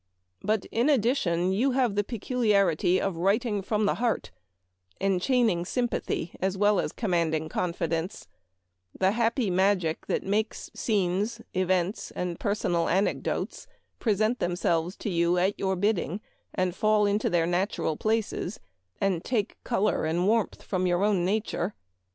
But, in addition, you have the peculiarity of writing from the heart, enchaining sympathy ■S'\ as commanding confidence — the happy magic that makes scenes, events, and personal anecdotes present the to you at your bidding, and fall into their natural places, and take color and warmth from your own nature.